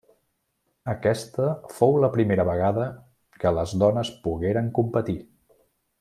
Aquesta fou la primera vegada que les dones pogueren competir.